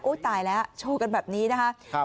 ตายแล้วโชว์กันแบบนี้นะคะ